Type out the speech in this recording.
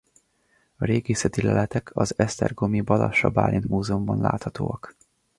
A régészeti leletek az esztergomi Balassa Bálint Múzeumban láthatóak.